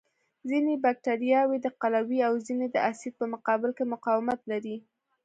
ځینې بکټریاوې د قلوي او ځینې د اسید په مقابل کې مقاومت لري.